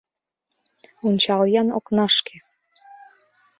Ончал-ян окнашке